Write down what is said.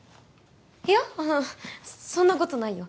いやそんなことないよ